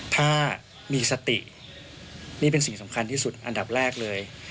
ถ้ามีสตินี่เป็นสิ่งสำคัญที่สุดอันดับแรกเลย